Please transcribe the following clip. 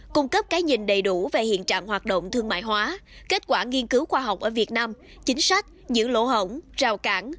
cung cấp cái nhìn đầy đủ về hiện trạng hoạt động thương mại hóa kết quả nghiên cứu khoa học ở việt nam chính sách những lỗ hổng rào cản